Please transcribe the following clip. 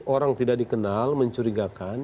orang tidak dikenal mencurigakan